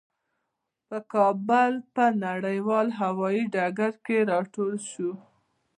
په کابل په نړیوال هوايي ډګر کې راټول شوو.